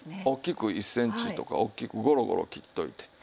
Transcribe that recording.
大きく１センチとか大きくゴロゴロ切っておいて。